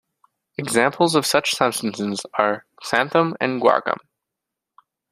Examples of such substances are xanthan and guar gum.